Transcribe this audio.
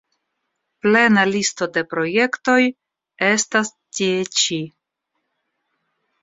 Plena listo de projektoj estas tie ĉi.